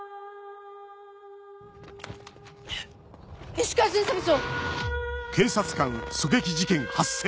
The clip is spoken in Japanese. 石川巡査部長！